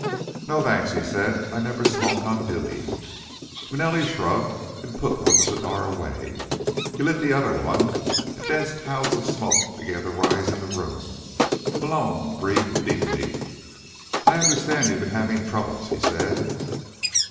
"No, thanks," he said. "I never smoke on duty." Manelli shrugged and put one cigar away. He lit the other one and dense clouds of smoke began to rise in the room. Malone breathed deeply. "I understand you've been having troubles," he said.